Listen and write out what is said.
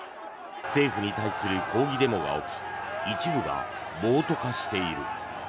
政府に対する抗議デモが起き一部が暴徒化している。